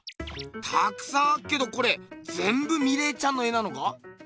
たくさんあっけどこれぜんぶミレーちゃんの絵なのか？